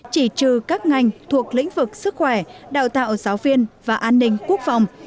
chỉ trừ các ngành thuộc lĩnh vực sức khỏe đào tạo giáo viên và an ninh quốc phòng